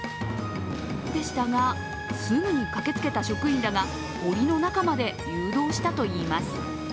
でしたが、すぐに駆けつけた職員らがおりの中まで誘導したといいます。